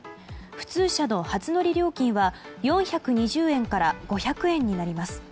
普通車の初乗り料金は４２０円から５００円になります。